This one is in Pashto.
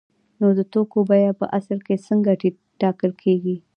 نو د توکو بیه په اصل کې څنګه ټاکل کیږي؟